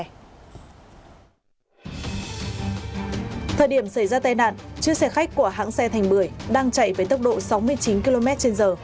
thời điểm xảy ra tai nạn chiếc xe khách của hãng xe thành bưởi đang chạy với tốc độ sáu mươi chín kmh